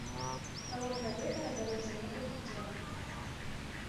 Талон да лекара бяруць за некалькі дзён.